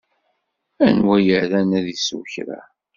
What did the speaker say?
Anwa ay iran ad isew kra?